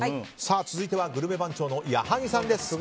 続いてはグルメ番長の矢作さん。